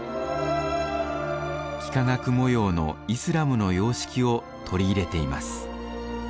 幾何学模様のイスラムの様式を取り入れています。